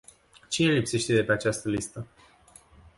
Cine lipsește de pe această listă?